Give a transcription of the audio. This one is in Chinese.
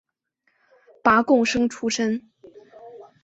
拔贡生出身。